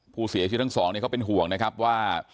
ผู้เสียชีวิตทั้งสองเขาเป็นห่วงนะครับว่า